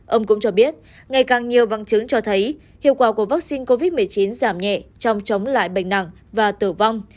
ông cũng cho biết ngày càng nhiều băng chứng cho thấy hiệu quả của vaccine covid một mươi chín giảm nhẹ trong chống lại bệnh nặng và tử vong